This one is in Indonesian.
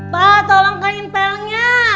pak tolong kain pelnya